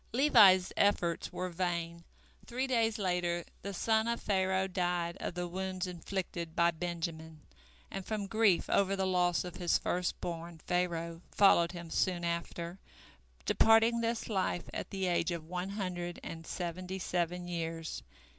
Levi's efforts were vain, three days later the son of Pharaoh died of the wounds inflicted by Benjamin, and from grief over the loss of his first born Pharaoh followed him soon after, departing this life at the age of one hundred and seventy seven years.